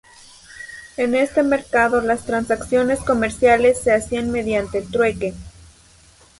En este mercado las transacciones comerciales se hacían mediante el trueque.